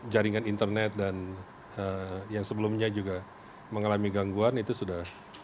jaringan internet dan yang sebelumnya juga mengalami gangguan itu sudah